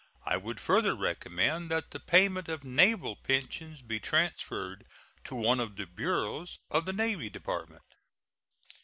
I would further recommend that the payment of naval pensions be transferred to one of the bureaus of the Navy Department.